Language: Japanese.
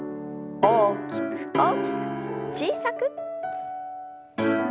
大きく大きく小さく。